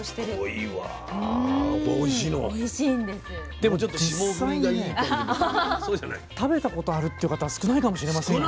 でも実際にね食べたことあるっていう方は少ないかもしれませんよね。